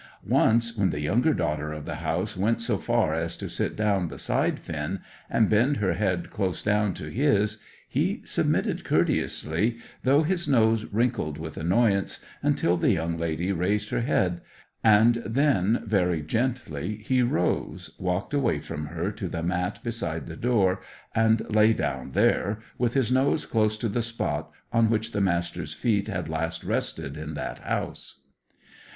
Once, when the younger daughter of the house went so far as to sit down beside Finn, and bend her head close down to his, he submitted courteously, though his nose wrinkled with annoyance, until the young lady raised her head; and then, very gently, lie rose, walked away from her to the mat beside the door, and lay down there, with his nose close to the spot on which the Master's feet had last rested in that house.